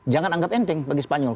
jangan anggap enteng bagi spanyol